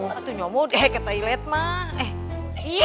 eh mama tuh nyomong deh ke toilet mah eh